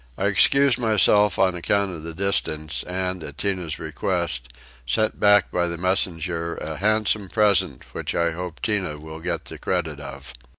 I excused myself on account of the distance and, at Tinah's request, sent back by the messenger a handsome present which I hope Tinah will get the credit of.